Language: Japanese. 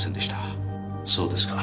そうですか。